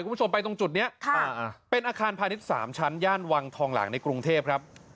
คุณผู้ชมไปตรงจุดนี้เป็นอาคารพาณิชย์๓ชั้นย่านวังทองหลังในกรุงเทพครับ